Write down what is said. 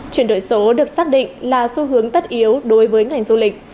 chuyển đổi số được xác định là xu hướng tất yếu đối với ngành du lịch